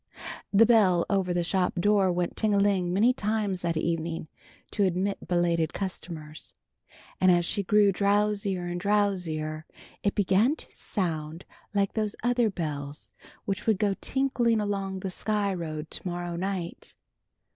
The bell over the shop door went ting a ling many times that evening to admit belated customers, and as she grew drowsier and drowsier it began to sound like those other bells which would go tinkling along the Sky Road to morrow night.